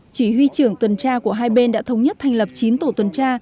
chỉ huy trưởng tuần tra của hai bên đã thống nhất thành lập chín tổ tuần tra